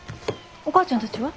お母ちゃんたちは？